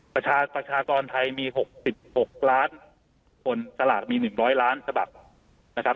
ประชากรไทยมี๖๖ล้านคนสลากมี๑๐๐ล้านฉบับนะครับ